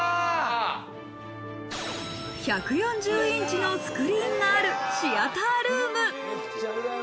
１４０インチのスクリーンがあるシアタールーム。